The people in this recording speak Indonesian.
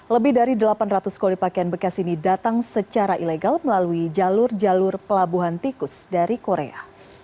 lebih dari delapan ratus koli pakaian bekas ini datang secara ilegal melalui jalur jalur pelabuhan tikus dari korea